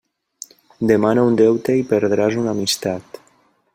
Demana un deute i perdràs una amistat.